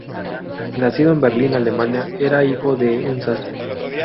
Nacido en Berlín, Alemania, era hijo de un sastre.